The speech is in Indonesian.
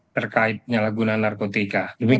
terkait penyalahgunaan narkotika